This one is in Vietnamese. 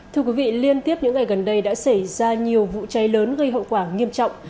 thưa quý vị liên tiếp những ngày gần đây đã xảy ra nhiều vụ cháy lớn gây hậu quả nghiêm trọng